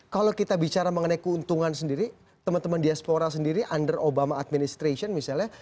kalau kita bicara mengenai keuntungan sendiri teman teman diaspora sendiri under obama administration misalnya